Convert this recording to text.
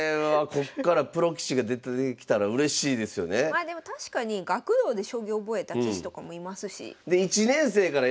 まあでも確かに学童で将棋覚えた棋士とかもいますし。